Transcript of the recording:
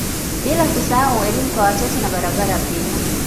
Bila kusahau elimu kwa watoto na barabara pia